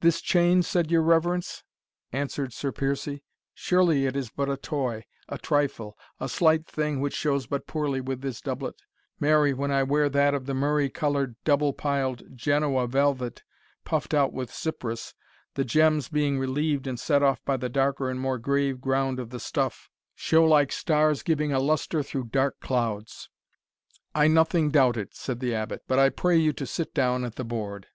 "This chain, said your reverence?" answered Sir Piercie; "surely it is but a toy, a trifle, a slight thing which shows but poorly with this doublet marry, when I wear that of the murrey coloured double piled Genoa velvet, puffed out with ciprus, the gems, being relieved and set off by the darker and more grave ground of the stuff, show like stars giving a lustre through dark clouds." "I nothing doubt it," said the Abbot, "but I pray you to sit down at the board."